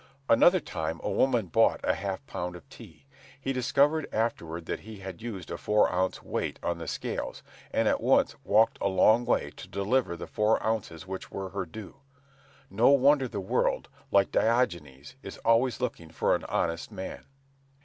Another time a woman bought a half pound of tea. He discovered afterward that he had used a four ounce weight on the scales, and at once walked a long way to deliver the four ounces which were her due. No wonder the world, like Diogenes, is always looking for an honest man.